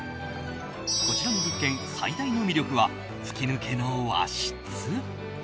こちらの物件、最大の魅力は吹き抜けの和室。